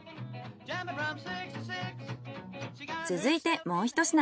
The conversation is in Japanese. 続いてもうひと品。